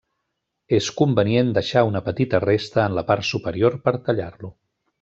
És convenient deixar una petita resta en la part superior per tallar-lo.